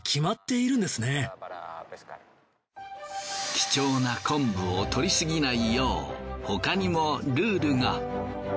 貴重な昆布を採り過ぎないよう他にもルールが。